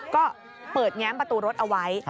ก็เปิดแง้มประตูรถเอาไว้